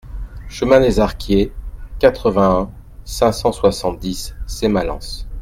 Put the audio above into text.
Chemin des Arquiés, quatre-vingt-un, cinq cent soixante-dix Sémalens